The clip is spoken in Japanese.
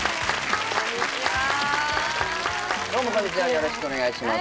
よろしくお願いします